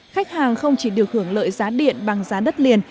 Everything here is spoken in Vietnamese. khách hàng không chỉ được hưởng lợi giá điện bằng giá đất liền